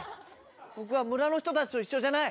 僕は村の人たちと一緒じゃない。